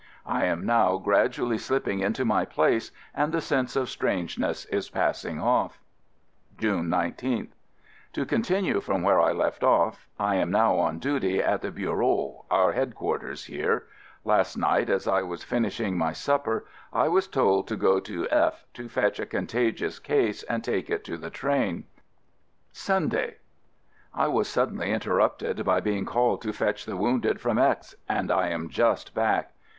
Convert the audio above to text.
I am now gradually slip ping into my place and the sense of strangeness is passing off. June 19th. To continue from where I left off — I am now on duty at the Bureau — our Headquarters here. Last night as I was finishing my dinner I was tojd to go to F to fetch a contagious case and take it to the train. FIELD SERVICE 13 Sunday. I was suddenly interrupted by being called to fetch the wounded from X and I am just back.